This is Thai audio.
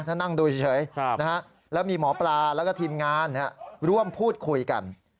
ถ้านั่งดูเฉยแล้วมีหมอปลาแล้วก็ทีมงานร่วมพูดคุยกัน